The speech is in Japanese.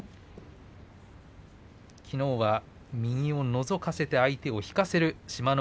きのうは右をのぞかせて相手を引かせる志摩ノ